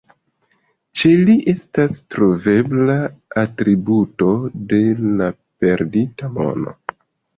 Ĉe li estas trovebla atributo de la perdita mano.